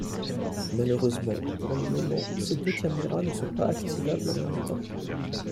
Malheureusement, pour le moment, ces deux caméras ne sont pas activables en même temps.